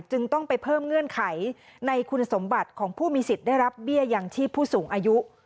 จึงต้องไปเพิ่มเงื่อนไขในคุณสมบัติของผู้มีสิทธิ์ได้รับเบี้ยยังชีพผู้สูงอายุ